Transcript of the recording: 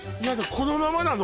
このままなの？